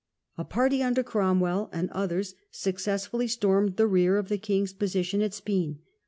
A party under Cromwell and others successfully stormed the rear of the king's, position at Speen.